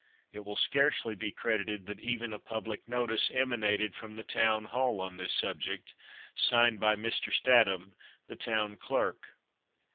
It will scarcely be credited that even a public notice emanated from the Town Hall on this subject, signed by Mr. Statham, the Town Clerk.